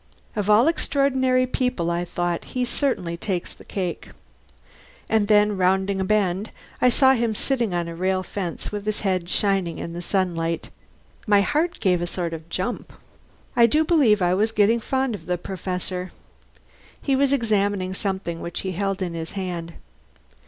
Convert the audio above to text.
Of all extraordinary people, I thought, he certainly takes the cake and then, rounding a bend, I saw him sitting on a rail fence, with his head shining in the sunlight. My heart gave a sort of jump. I do believe I was getting fond of the Professor. He was examining something which he held in his hand.